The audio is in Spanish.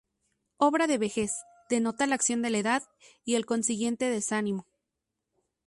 Obra de vejez, denota la acción de la edad y el consiguiente desánimo.